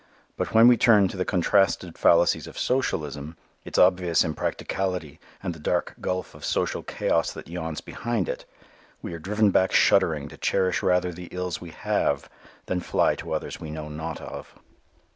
But when we turn to the contrasted fallacies of socialism, its obvious impracticality and the dark gulf of social chaos that yawns behind it, we are driven back shuddering to cherish rather the ills we have than fly to others we know not of.